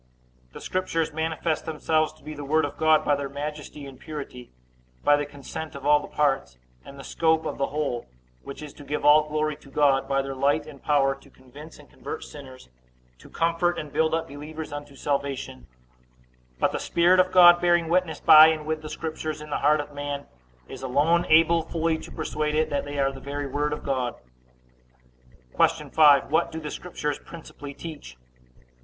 A. The Scriptures manifest themselves to be the Word of God, by their majesty and purity; by the consent of all the parts, and the scope of the whole, which is to give all glory to God; by their light and power to convince and convert sinners, to comfort and build up believers unto salvation: but the Spirit of God bearing witness by and with the Scriptures in the heart of man, is alone able fully to persuade it that they are the very Word of God. Q. 5. What do the Scriptures principally teach?